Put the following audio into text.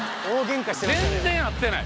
全然合ってない。